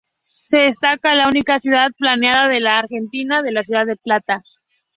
Se destaca la única ciudad planeada de la Argentina, la ciudad de La Plata.